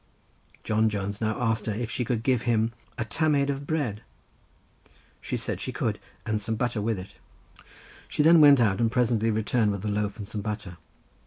John Jones now asked her if she could give him a tamaid of bread; she said she could, "and some butter with it." She then went out, and presently returned with a loaf and some butter.